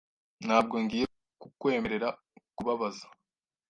Ntabwo ngiye kukwemerera kubabaza .